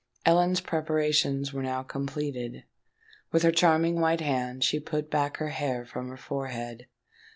Ellen's preparations were now completed. With her charming white hand she put back her hair from her forehead.